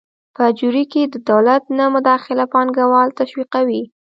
په اجورې کې د دولت نه مداخله پانګوال تشویقوي.